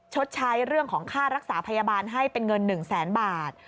ชดใช้เรื่องของค่ารักษาพยาบาลให้เป็นเงิน๑แสนบาท